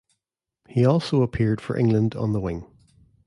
He also appeared for England on the wing.